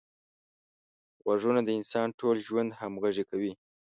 غوږونه د انسان ټول ژوند همغږي کوي